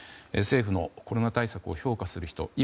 政府のコロナ対策を評価する人